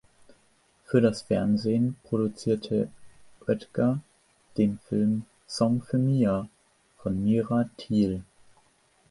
Für das Fernsehen produzierte Oetker den Film "Song für Mia" von Mira Thiel.